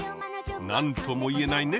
何とも言えないね